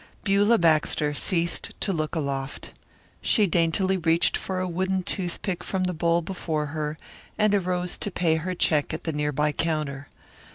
Beulah Baxter ceased to look aloft. She daintily reached for a wooden toothpick from the bowl before her and arose to pay her check at the near by counter.